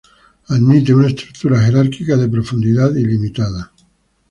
Admite una estructura jerárquica de profundidad ilimitada.